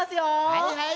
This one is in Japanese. はいはい。